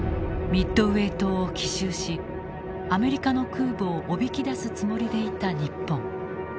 ミッドウェー島を奇襲しアメリカの空母をおびき出すつもりでいた日本。